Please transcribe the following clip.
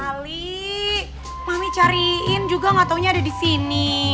ali mami cariin juga gak taunya ada disini